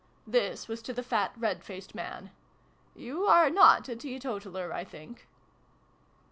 (This was to the fat red faced man.) " You are not a teetotaler, I think